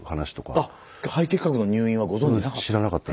あっ肺結核の入院はご存じなかった？